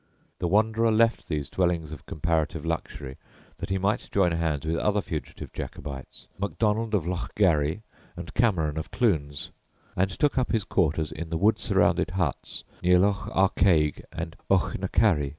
The wanderer left these dwellings of comparative luxury that he might join hands with other fugitive Jacobites, Macdonald of Lochgarry and Cameron of Clunes, and took up his quarters in the wood surrounded huts near Loch Arkaig and Auchnacarry.